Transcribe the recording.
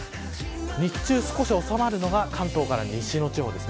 日中少し収まるのが関東から西の地方です。